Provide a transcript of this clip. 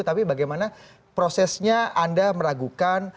tapi bagaimana prosesnya anda meragukan